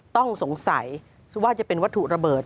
ต้องสงสัยว่าจะเป็นวัตถุระเบิด